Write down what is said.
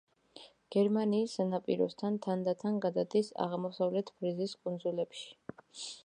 გერმანიის სანაპიროსთან თანდათან გადადის აღმოსავლეთ ფრიზის კუნძულებში.